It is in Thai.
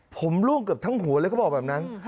ผมล่วงเกือบทั้งหัวเลยเขาบอกแบบนั้น